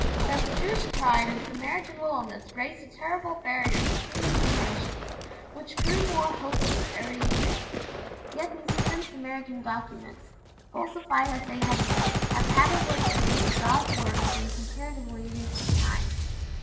Thus Jewish pride and Samaritan littleness raised a terrible barrier between the two nations, which grew more hopeless every year. [Illustration: THE SAMARITAN BOOK OF THE LAW AT NABLOUS] Yet these hidden Samaritan documents, falsified as they had been, have had a work to do for God's Word within comparatively recent times.